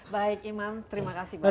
baik iman terima kasih banyak